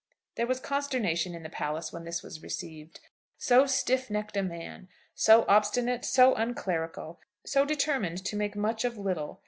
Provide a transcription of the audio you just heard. There was consternation in the palace when this was received. So stiffnecked a man, so obstinate, so unclerical, so determined to make much of little!